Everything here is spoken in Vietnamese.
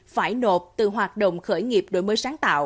phải nộp từ hoạt động khởi nghiệp đổi mới sáng tạo